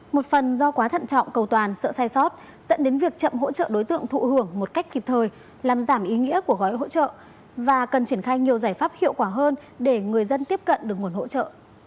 một phần do quá thận trọng cầu toàn sợ sai sót dẫn đến việc chậm hỗ trợ đối tượng thụ hưởng một cách kịp thời làm giảm ý nghĩa của gói hỗ trợ và cần triển khai nhiều giải pháp hiệu quả hơn để người dân tiếp cận được nguồn hỗ trợ